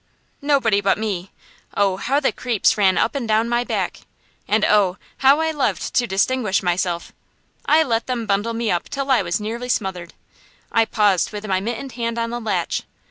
Nobody but me. Oh, how the creeps ran up and down my back! and oh! how I loved to distinguish myself! I let them bundle me up till I was nearly smothered. I paused with my mittened hand on the latch.